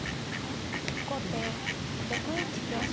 後手６一香車。